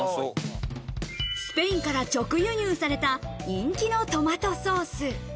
スペインから直輸入された人気のトマトソース。